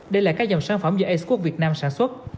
đây là các dòng sản phẩm do expok việt nam sản xuất